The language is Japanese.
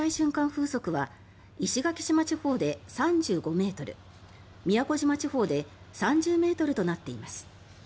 風速は石垣島地方で３５ｍ宮古島地方で３０ｍとなっています。